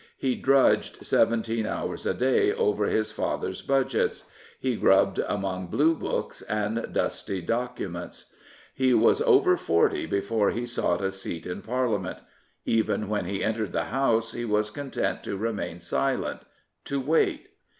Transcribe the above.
He drudged seventeen hours a day over his father's budgets; he grubbed among blue books and dusty documents. He was over forty before he sought a seat in Parlia ment. Even when he entered the House he was content to remain silent — ^to wait.